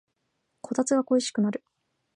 こたつが恋しくなる